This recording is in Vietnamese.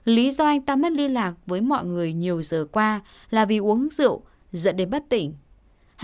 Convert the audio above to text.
lý do anh ta mất liên lạc với mọi người nhiều giờ qua là vì uống rượu dẫn đến bất tỉnh